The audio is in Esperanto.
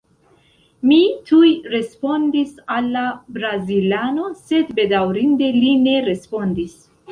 Mi tuj respondis al la brazilano, sed bedaŭrinde li ne respondis.